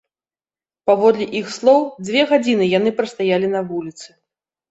Паводле іх слоў, дзве гадзіны яны прастаялі на вуліцы.